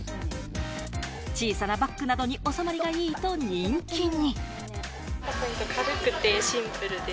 小さなバックなどにおさまりがいいと人気に。